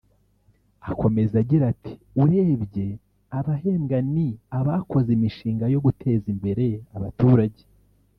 Akomeza agira ati “Urebye abahembwa ni abakoze imishinga yo guteza imbere abaturage